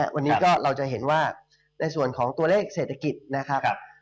วันนี้ก็เราจะเห็นว่าในส่วนของตัวเลขเศรษฐกิจนะครับ